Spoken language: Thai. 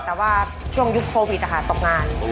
แต่ว่าช่วงยุคโควิดนะครับตกงาน